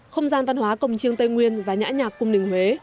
không gian văn hóa cầm chiêng tây nguyên và nhã nhạc cung nình huế